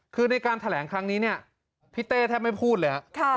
คือในการแถลงครั้งนี้เนี่ยพี่เต้แทบไม่พูดเลยฮะ